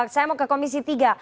saya mau ke komisi tiga